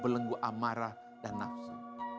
belenggu amarah dan nafsu